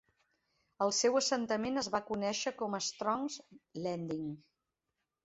El seu assentament es va conèixer com a Strong's Landing.